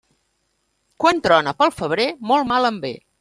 Quan trona pel febrer, molt mal en ve.